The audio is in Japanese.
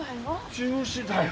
中止だよ。